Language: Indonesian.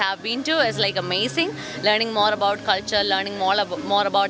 adalah luar biasa belajar lebih banyak tentang budaya lebih banyak tentang orang orang